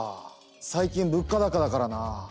最近物価高だからな。